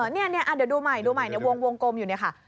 เดี๋ยวดูใหม่วงวงกลมอยู่เนี่ยค่ะ